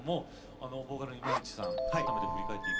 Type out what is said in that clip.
ボーカルの今市さん